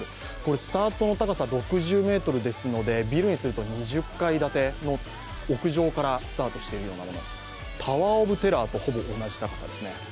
スタートの高さが６０ｍですのでビルにすると２０階建ての屋上からスタートしているようなもの、タワー・オブ・テラーとほぼ同じ高さですね。